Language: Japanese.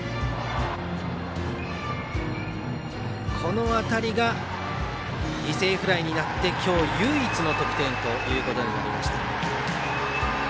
この当たりが犠牲フライになって今日唯一の得点となりました。